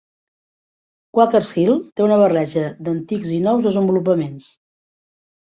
Quakers Hill té una barreja d'antics i nous desenvolupaments.